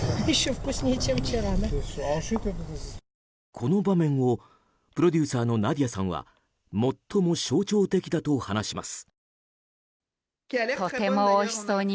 この場面をプロデューサーのナディアさんは最も象徴的だと話します。